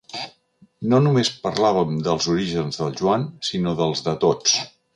No només parlàvem dels orígens del Joan sinó dels de tots.